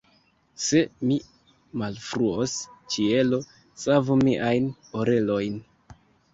Se mi malfruos, ĉielo savu miajn orelojn!